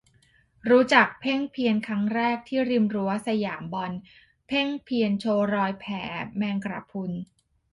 รู้จักเพ่งเพียรครั้งแรกที่ริมรั้วสยามบอล เพ่งเพียรโชว์รอยแผลแมงกระพรุน